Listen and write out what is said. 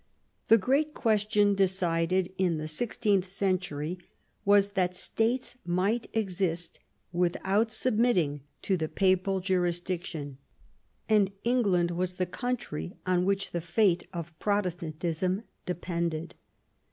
The great question decided in the sixteenth century THE ALENgON MARRIAGE. 185 was that States might exist without submitting to the Papal jurisdiction ; and England was the country on which the fate of Protestantism depended.